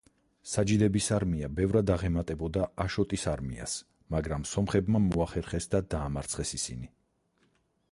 საჯიდების არმია ბევრად აღემატებოდა აშოტის არმიას, მაგრამ სომხებმა მოახერხეს და დაამარცხეს ისინი.